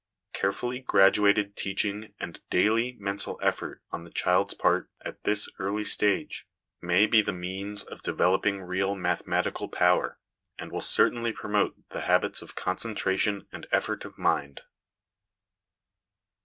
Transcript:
Care fully graduated teaching and daily mental effort on the child's part at this early stage may be the means of developing real mathematical power, and will certainly promote the habits of concentration and effort of mind.